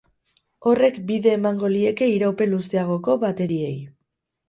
Horrek bide emango lieke iraupen luzeagoko bateriei.